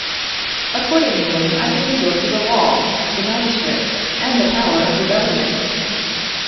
Accordingly, I should resort to the law, the magistrate, and the power of the government.